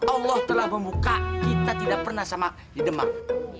allah telah membuka kita tidak pernah sama di demak